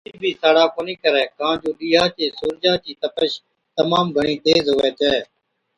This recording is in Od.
ائُون ٻِيج بِي ساڙا ڪونهِي ڪرَي ڪان جو ڏِيهان چَي سُورجا چِي تپش تمام گھڻِي تيز هُوَي ڇَي۔